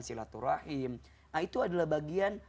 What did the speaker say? silaturahim nah itu adalah bagian